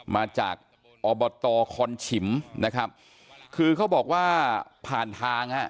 มาจากอฮค็อชิมบุหรรดิคแบบนี้เขาบอกว่าผ่านทางค่ะ